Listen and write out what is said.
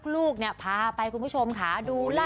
ลูกเนี่ยพาไปคุณผู้ชมค่ะดูล่ะ